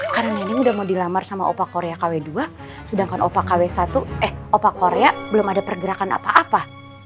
karena neneng udah mau dilamar sama opa korea kw dua sedangkan opa kw satu eh opa korea belum ada pergerakan apa apa